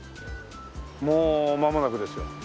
もうまもなくですよ。